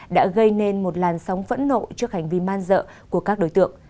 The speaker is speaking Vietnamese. đã gây nên một làn sóng phẫn nộ trước hành vi man dợ của các đối tượng